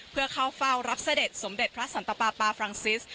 เพื่อเข้าเฝ้ารับเสด็จสมเด็จพระสันตปาปาฟรังซิส